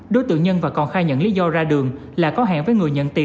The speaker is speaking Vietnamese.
đối tượng nhân và còn khai nhận lý do ra đường là có hẹn với người nhận tiền